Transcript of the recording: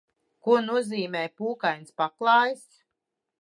Ko nozīmē pūkains paklājs?